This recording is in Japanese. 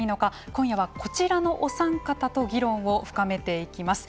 今夜は、こちらのお三方と議論を深めていきます。